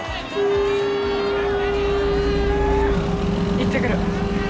行ってくる。